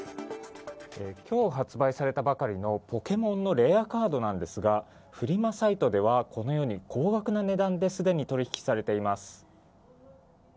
今日発売されたばかりのポケモンのレアカードなんですがフリマサイトでは、高額な値段ですでに取引されています。